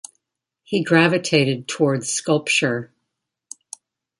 He gravitated toward sculpture.